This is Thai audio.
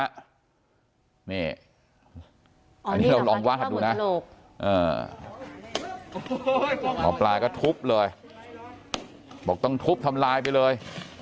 อันนี้เราลองวาดดูนะหมอปลาก็ทุบเลยบอกต้องทุบทำลายไปเลย